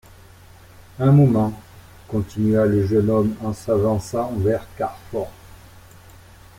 Un moment, continua le jeune homme en s'avançant vers Carfor.